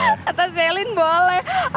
kata celine boleh